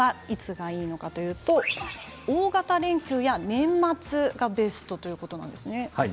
いつがいいのかというと大型連休や年末に売るのがベストということなんですね。